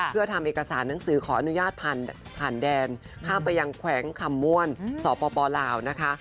เพื่อทำเอกสารหนังสือขออนุญาตผ่านแดนข้ามไปยังแขวงคำม่วนสปลาวนะคะ